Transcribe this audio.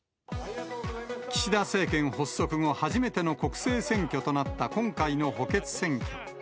岸田政権発足後、初めての国政選挙となった今回の補欠選挙。